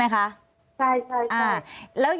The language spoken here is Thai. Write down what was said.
อันดับที่สุดท้าย